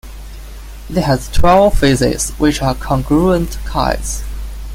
It has twelve faces which are congruent kites.